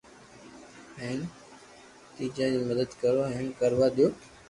ھين شيجا ري مدد ڪرو ھين ڪروا ديئو